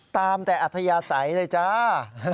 ตามแต่อัธยาศัยเลยจ้า